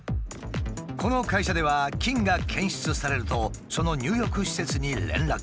この会社では菌が検出されるとその入浴施設に連絡。